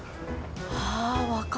ああ分かる。